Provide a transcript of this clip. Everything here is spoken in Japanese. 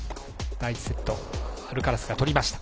第１セットアルカラスが取りました。